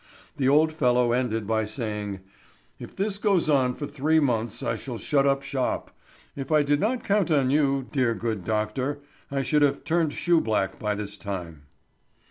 The old fellow ended by saying: "If this goes on for three months I shall shut up shop. If I did not count on you, dear good doctor, I should have turned shoe black by this time."